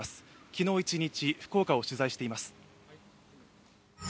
昨日１日、福岡を取材しています。